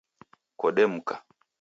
Kodemka